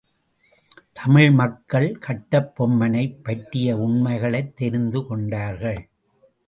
தமிழ் மக்கள் கட்டபொம்மனைப் பற்றிய உண்மைகளைத் தெரிந்து கொண்டார்கள்.